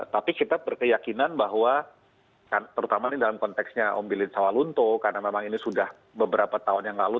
tapi kita berkeyakinan bahwa terutama dalam konteksnya ombilin sawal unto karena memang ini sudah beberapa tahun yang lalu